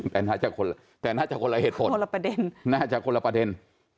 แต่น่าจะคนละเหตุผลน่าจะคนละประเด็น